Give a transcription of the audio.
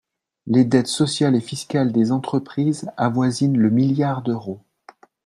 Les dettes sociales et fiscales des entreprises avoisinent le milliard d’euros.